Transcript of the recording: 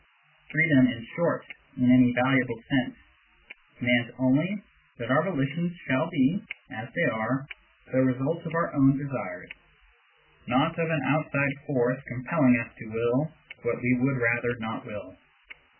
Freedom, in short, in any valuable sense, demands only that our volitions shall be, as they are, the result of our own desires, not of an outside force compelling us to will what we would rather not will.